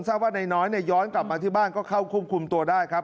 ทราบว่านายน้อยเนี่ยย้อนกลับมาที่บ้านก็เข้าควบคุมตัวได้ครับ